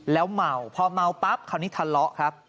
แล้วเมาพอเมาปั๊บคราวนี้ทะเลาะครับ